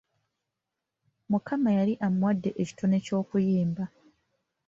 Mukama yali amuwadde ekitone eky'okuyimba!